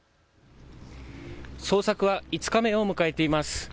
捜索は５日目を迎えています。